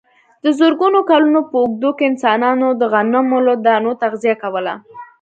د زرګونو کلونو په اوږدو کې انسانانو د غنمو له دانو تغذیه کوله.